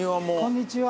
こんにちは。